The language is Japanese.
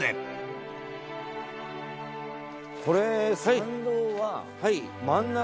これ参道は。